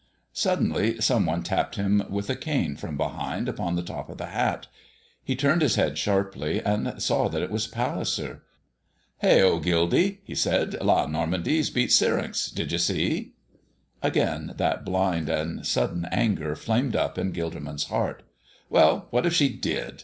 Suddenly some one tapped him with a cane from behind upon the top of the hat. He turned his head sharply and saw that it was Palliser. "Hey o, Gildy!" he said, "La Normandie's beat Syrinx. Did you see?" Again that blind and sudden anger flamed up in Gilderman's heart. "Well, what if she did?"